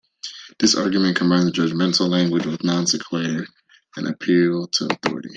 This argument combines judgmental language with "non sequitur" and appeal to authority.